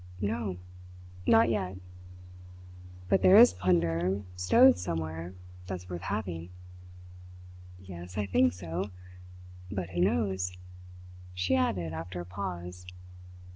"No! Not yet." "But there is plunder stowed somewhere that's worth having?" "Yes, I think so. But who knows?" she added after a pause.